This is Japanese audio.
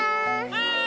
はい！